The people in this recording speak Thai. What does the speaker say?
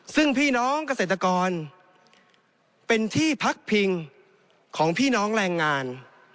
ซึ่งพี่น้องเกษตรกรเป็นที่พักพิงของพี่น้องแรงงาน